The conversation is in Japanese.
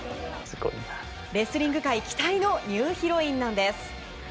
レスリング界期待のニューヒロインなんです。